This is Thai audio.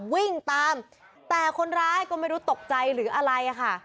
วิ่งตามแต่คนร้ายก็ไม่รู้ตกใจหรืออะไรค่ะ